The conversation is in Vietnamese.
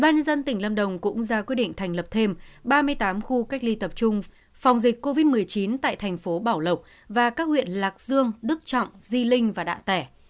ubnd tỉnh lâm đồng cũng ra quyết định thành lập thêm ba mươi tám khu cách ly tập trung phòng dịch covid một mươi chín tại thành phố bảo lộc và các huyện lạc dương đức trọng di linh và đạ tẻ